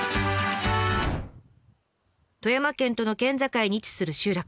富山県との県境に位置する集落。